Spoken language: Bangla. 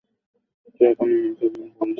তুই এখনও মাকে ফোন করিসনি।